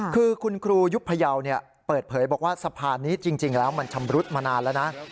คือคุณครูยุบพยาวเปิดเผยบอกว่าสะพานนี้จริงแล้วมันชำรุดมานานแล้วนะ